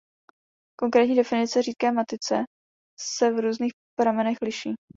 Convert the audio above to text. Konkrétní definice "řídké matice" se v různých pramenech liší.